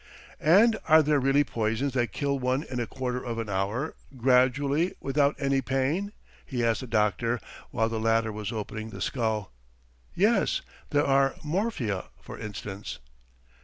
"And are there really poisons that kill one in a quarter of an hour, gradually, without any pain?" he asked the doctor while the latter was opening the skull. "Yes, there are. Morphia for instance."